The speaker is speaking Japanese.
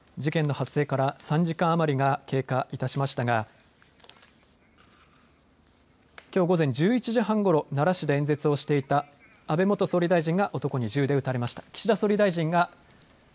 事件の発生から３時間余りが経過いたしましたがきょう、午前１１時半ごろ奈良市で演説をしていた安倍元総理大臣が男に銃で撃たれました。